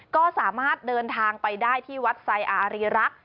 ก็สามารถเดินทางไปได้ที่วัดไซอารีรักษ์